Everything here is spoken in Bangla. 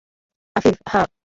আফিফ: হ্যাঁ।